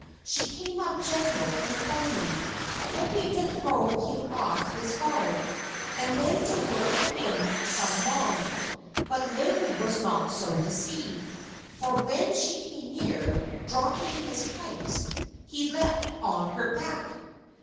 She came up gentle and fawning, hoping to throw him off his guard, and then to work him some wrong. But Larry was not so deceived, for when she came near, dropping his pipes, he leaped on her back.